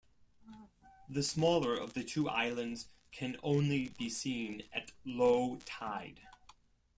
The smaller of the two islands can only be seen at low tide.